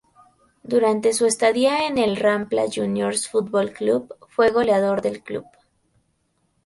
Durante su estadía en el Rampla Juniors Fútbol Club, fue goleador del club.